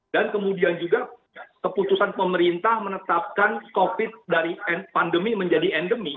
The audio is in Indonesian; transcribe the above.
dan kemudian juga keputusan pemerintah menetapkan covid dari pandemi menjadi endemi